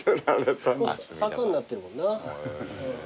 坂になってるもんな。